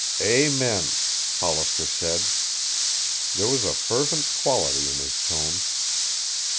"Amen," Hollister said. There was a fervent quality in his tone.